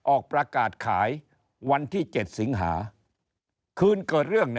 ออกประกาศขายวันที่๗สิงหาคืนเกิดเรื่อง